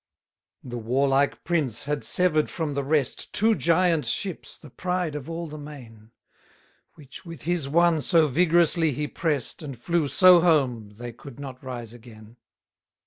127 The warlike prince had sever'd from the rest Two giant ships, the pride of all the main; Which with his one so vigorously he prest, And flew so home they could not rise again.